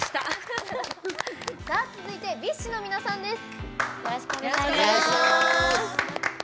続いて、ＢｉＳＨの皆さんです。